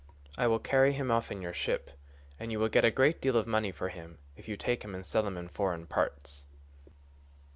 I will carry him off in your ship, and you will get a great deal of money for him if you take him and sell him in foreign parts.